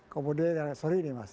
kemudian sorry nih mas